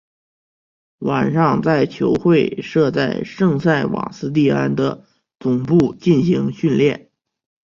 晚上在球会设在圣塞瓦斯蒂安的总部进行训练。